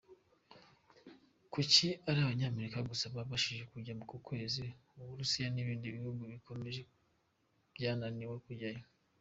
Kuki ari Abanyamerika gusa babashije kujya kukwezi? Uburusiya n’ibindi bihugu bikomeye byananiwe kujyayo?.